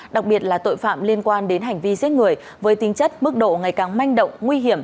đặc biệt là tội phạm liên quan đến hành vi giết người với tính chất mức độ ngày càng manh động nguy hiểm